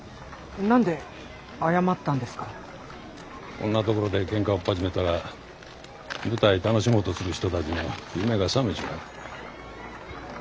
こんな所でケンカおっ始めたら舞台楽しもうとする人たちの夢がさめちまう。